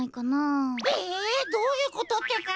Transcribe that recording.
ええどういうことってか？